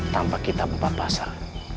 tanpa kita membuat pasar